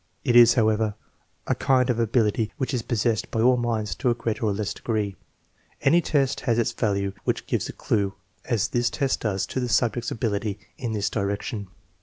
It is, however, a kind of ability which is possessed by all minds to a greater or less degree. Any test has its value which gives a clue, as this test does, to the subject's ability in this direction.